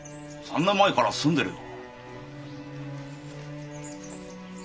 ３年前から住んでるよ。